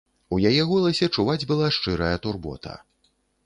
У яе голасе чуваць была шчырая турбота.